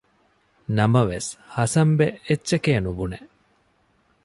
ނަމަވެސް ހަސަންބެ އެއްޗެކޭނުބުނެ